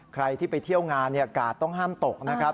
ใครที่ไปเที่ยวงานกาดต้องห้ามตกนะครับ